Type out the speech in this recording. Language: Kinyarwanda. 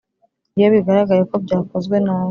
iyo bigaragaye ko byakozwe nabi